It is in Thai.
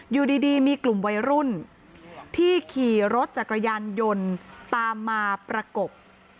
อยู่ดีมีกลุ่มวัยรุ่นที่ขี่รถจักรยานยนต์ตามมาประกบ